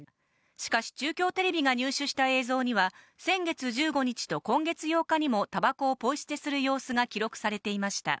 しかし、中京テレビが入手した映像には、先月１５日と今月８日にもたばこをポイ捨てする様子が記録されていました。